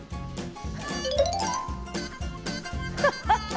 ハハハハ！